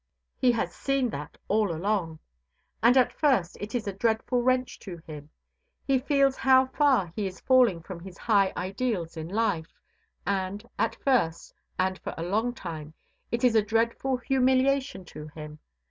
He has seen that all along. And at first it is a dreadful wrench to him. He feels how far he is falling from his high ideals in life; and, at first, and for a long time, it is a dreadful humiliation to him.